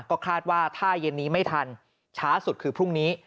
ก็คาดว่าถ้าเย็นนี้ไม่ทันช้าสุดคือพรุ่งนี้